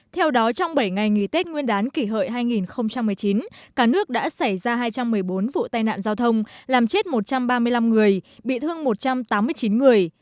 theo đó trong bảy ngày nghỉ tết nguyên đán kỷ hợi hai nghìn một mươi chín cả nước đã xảy ra hai trăm một mươi bốn vụ tai nạn giao thông làm chết một trăm ba mươi năm người bị thương một trăm tám mươi chín người